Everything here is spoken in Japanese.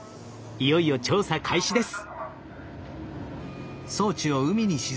いよいよ調査開始です。